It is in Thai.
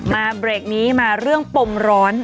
มาเบรกนี้มาเรื่องปมร้อน